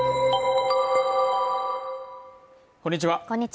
こんにちは。